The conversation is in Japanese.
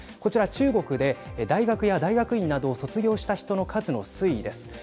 中国で大学や大学院などを卒業した人の数の推移です。